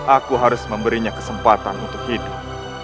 aku harus memberinya kesempatan untuk hidup